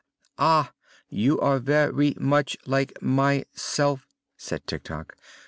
"Ah! You are ver y much like my self," said Tik Tok.